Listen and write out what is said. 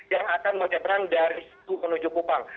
yang akan menyeberang dari situ menuju kupang